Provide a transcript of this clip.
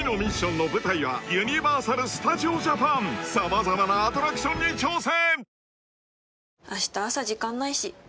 ［様々なアトラクションに挑戦！］